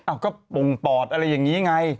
อ้าวก็ปลงปลอดอะไรอย่างนี้ไง